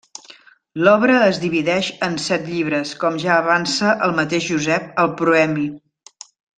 L'obra es divideix en set llibres com ja avança el mateix Josep al proemi.